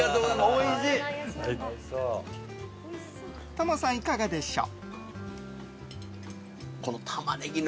トモさん、いかがでしょう？